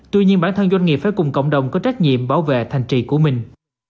tuy nhiên bản thân doanh nghiệp phải cùng cộng đồng có trách nhiệm bảo vệ thành trì của mình